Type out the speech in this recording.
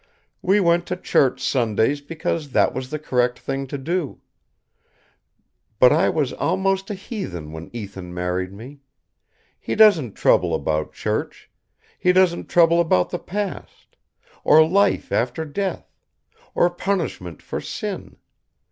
We went to church Sundays because that was the correct thing to do. But I was almost a heathen when Ethan married me. He doesn't trouble about church. He doesn't trouble about the past, or life after death, or punishment for sin.